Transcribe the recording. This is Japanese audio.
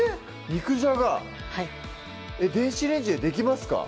肉じゃが電子レンジでできますか？